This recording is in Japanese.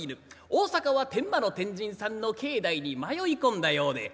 大阪は天満の天神さんの境内に迷い込んだようで。